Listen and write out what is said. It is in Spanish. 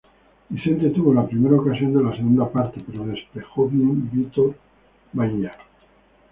Vicente tuvo la primera ocasión de la segunda parte, pero despejó bien Vítor Baía.